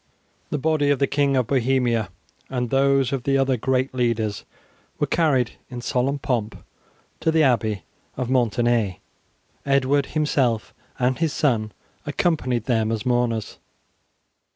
The body of the King of Bohemia and those of the other great leaders were carried in solemn pomp to the Abbey of Maintenay. Edward himself and his son accompanied them as mourners.